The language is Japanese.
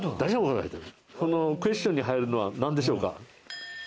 このクエスチョンに入るのはなんでしょうか？